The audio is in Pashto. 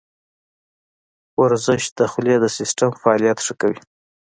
ورزش د خولې د سیستم فعالیت ښه کوي.